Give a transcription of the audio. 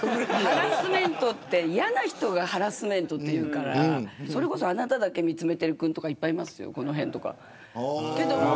ハラスメントは、嫌な人がハラスメントっていうからそれこそ、あなただけ見つめてるいるくん、とかいっぱいいますよ、この辺とか。